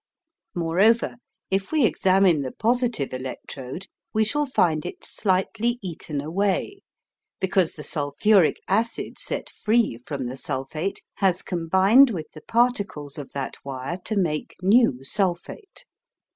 Moreover, if we examine the positive electrode we shall find it slightly eaten away, because the sulphuric acid set free from the sulphate has combined with the particles of that wire to make new sulphate.